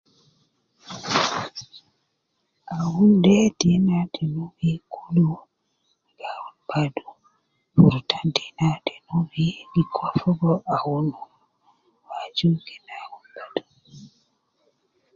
Awun de tena te nubi kulu, gi aun badu, fi rutan tena te nubi, gi kua fogo awunu, aju kena awun badu